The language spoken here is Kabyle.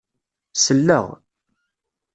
Selleɣ.